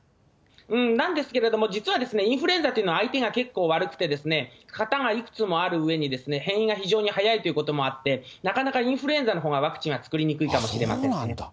なんですけれども、実はインフルエンザというのは相手が結構悪くて、型がいくつもあるうえに、変異が非常に早いということもあって、なかなかインフルエンザのほうがワクチンは作りにくいかもしれません。